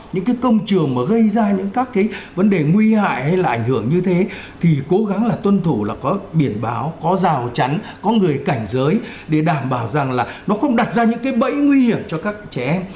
những cái công trường mà gây ra những các cái vấn đề nguy hại hay là ảnh hưởng như thế thì cố gắng là tuân thủ là có biển báo có rào chắn có người cảnh giới để đảm bảo rằng là nó không đặt ra những cái bẫy nguy hiểm cho các trẻ em